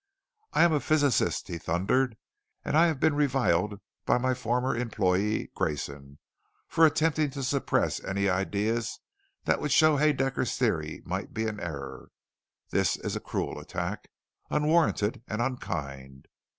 "I am a physicist," he thundered. "And I have been reviled by my former employee, Grayson, for attempting to suppress any ideas that would show Haedaecker's Theory might be in error. This is a cruel attack. Unwarranted and unkind.